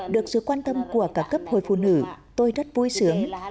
được sự quan tâm của cả cấp hội phụ nữ tôi rất vui sướng